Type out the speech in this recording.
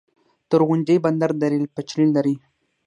تورغونډۍ بندر د ریل پټلۍ لري؟